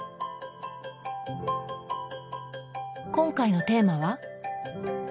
今回のテーマは？